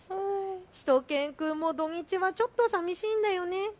しゅと犬くんも土日はちょっとさみしいんだよね。